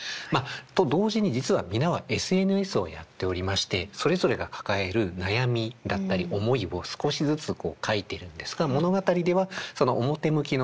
と同時に実は皆はＳＮＳをやっておりましてそれぞれが抱える悩みだったり思いを少しずつ書いているんですが物語では表向きの就活